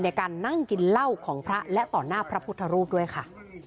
ในการนั่งกินเหล้าของพระและต่อหน้าพระพุทธรูปด้วยค่ะ